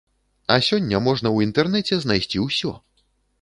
А сёння можна ў інтэрнэце знайсці ўсё.